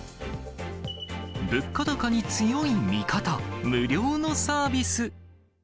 物価高に強い味方、無料のサービス。